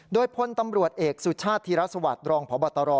โดยพลตำรวจเอกสุชาติธีรสวัสดิ์รองพบตร